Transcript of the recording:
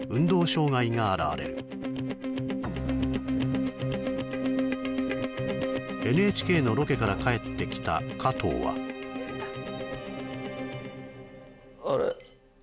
障害が現れるＮＨＫのロケから帰ってきた加藤はあれ？